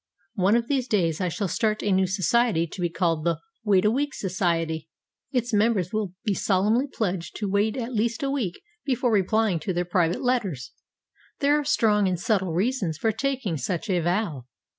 One of these days I shall start a new society to be called the 'Wait a Week Society.' Its members will be solemnly pledged to wait at least a week before replying to their private letters. There are strong and subtle reasons for taking such a vow.